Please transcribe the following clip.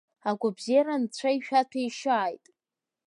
Агәабзиара Анцәа ишәаҭәеишьааит!